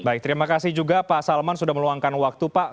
baik terima kasih juga pak salman sudah meluangkan waktu pak